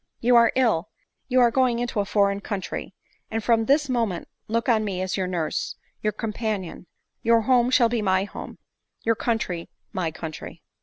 You are ill, you are going into a foreign country ; and from this moment look on me as your nurse, your companion ; your home shall be my home, your country my country